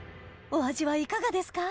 お味はいかがですか？